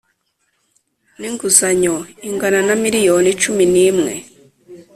N inguzanyo ingana na miliyoni cumi n imwe